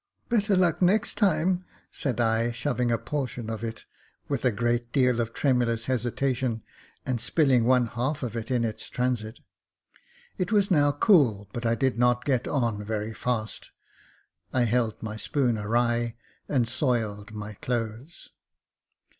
Better luck next time," said I, shoving in a portion of it, with a great deal of tremulous hesitation, and spilling one half of it in its transit. It was now cool, but I did not get on very fast ; I held my spoon awry, and soiled my clothes.